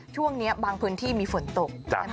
ช่วงนี้บางพื้นที่มีฝนตก